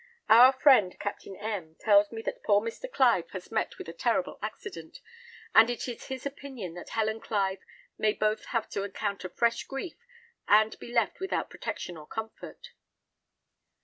Our friend, Captain M , tells me that poor Mr. Clive has met with a terrible accident, and it is his opinion that Helen Clive may both have to encounter fresh grief, and be left without protection or comfort."